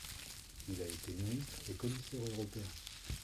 Il a été ministre et Commissaire européen.